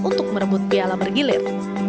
untuk merebut biala bergilir